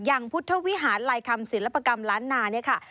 อย่างพุทธวิหารัยคำศิลปะกรรมล้านนา